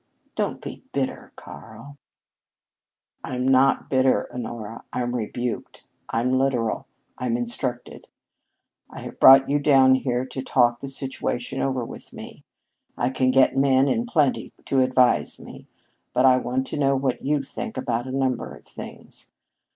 "Don't be bitter, Karl." "I'm not bitter, Honora. I'm rebuked. I'm literal. I'm instructed. I have brought you down here to talk the situation over with me. I can get men in plenty to advise me, but I want to know what you think about a number of things.